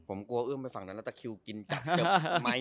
ผมกลัวอื่มไปฝั่งนั้นแล้วคิวกินจัก